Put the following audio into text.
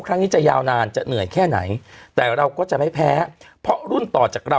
ครั้งนี้จะยาวนานจะเหนื่อยแค่ไหนแต่เราก็จะไม่แพ้เพราะรุ่นต่อจากเรา